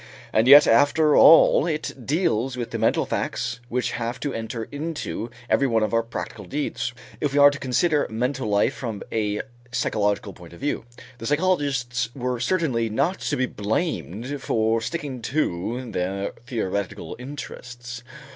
And yet after all it deals with the mental facts which have to enter into every one of our practical deeds, if we are to consider mental life from a psychological point of view. The psychologists were certainly not to be blamed for sticking to their theoretical interests.